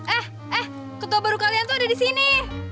eh eh ketua baru kalian tuh ada di sini